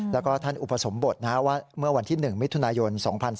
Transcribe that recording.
แล้วก็ท่านอุปสมบทว่าเมื่อวันที่๑มิถุนายน๒๔